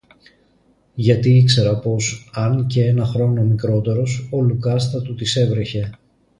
γιατί ήξερα πως, αν κι ένα χρόνο μικρότερος, ο Λουκάς θα του τις έβρεχε